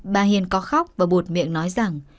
bà hiền có khóc và buột miệng nói rằng